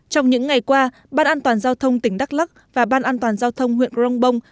trong những ngày qua ban an toàn giao thông tỉnh đắk lắc và ban an toàn giao thông huyện crong bông